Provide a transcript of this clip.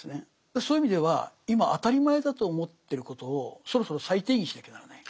そういう意味では今当たり前だと思ってることをそろそろ再定義しなきゃならない。